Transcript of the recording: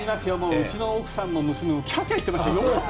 うちの奥さんも娘もキャーキャー言ってましたよ。